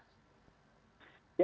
ya jadi ini luar biasa ini ya